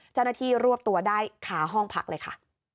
เจ้าหน้าที่รวกตัวได้ขาห้องผักเลยค่ะ